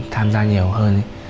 tham gia nhiều hơn